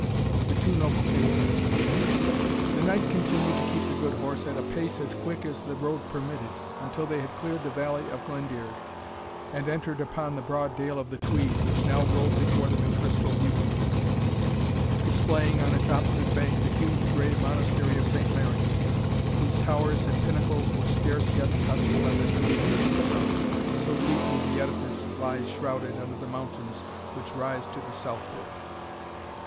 THE TWO NOBLE KINSMEN. The knight continued to keep the good horse at a pace as quick as the road permitted, until they had cleared the valley of Glendearg, and entered upon the broad dale of the Tweed, which now rolled before them in crystal beauty, displaying on its opposite bank the huge gray Monastery of St. Mary's, whose towers and pinnacles were scarce yet touched by the newly risen sun, so deeply the edifice lies shrouded under the mountains which rise to the southward.